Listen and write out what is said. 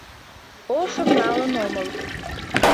Ошым налын омыл.